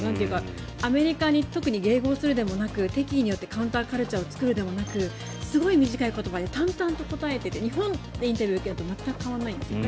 アメリカに特に迎合するでもなく敵意によってカウンターカルチャーを作るでもなくすごい短い言葉で淡々と答えていて日本でインタビュー受けるのと全く変わらないんです。